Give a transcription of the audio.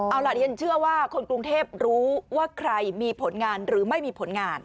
เอาล่ะดิฉันเชื่อว่าคนกรุงเทพรู้ว่าใครมีผลงานหรือไม่มีผลงาน